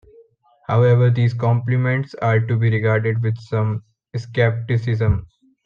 However, these compliments are to be regarded with some skepticism.